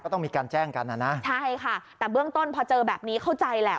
ต้องมีการแจ้งกันนะนะใช่ค่ะแต่เบื้องต้นพอเจอแบบนี้เข้าใจแหละ